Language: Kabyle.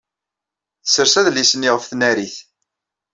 Tessers adlis-nni ɣef tnarit.